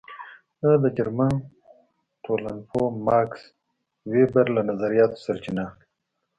دا د جرمن ټولنپوه ماکس وېبر له نظریاتو سرچینه اخلي.